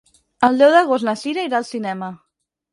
El deu d'agost na Sira irà al cinema.